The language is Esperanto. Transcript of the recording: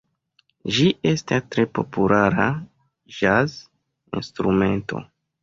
Ĝi estas tre populara ĵaz-instrumento.